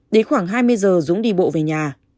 đến khoảng hai mươi giờ dũng đi bộ về nhà